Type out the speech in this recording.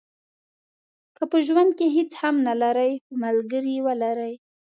که په ژوند کې هیڅ هم نه لرئ خو ملګری ولرئ.